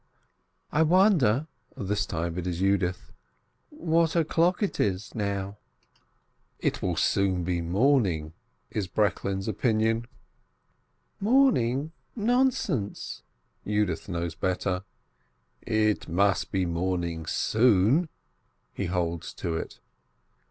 "I wonder" (this time it is Yudith) "what o'clock it is now!" SLACK TIMES THEY SLEEP 381 "It will soon be morning," is Breklin's opinion. "Morning? Nonsense!" Yudith knows better. "It must be morning soon!" He holds to it.